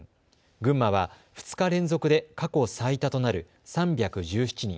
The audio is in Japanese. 群馬は２日連続で過去最多となる３１７人。